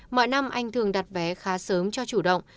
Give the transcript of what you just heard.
mọi năm anh thường đặt vé khá sớm cho chủ động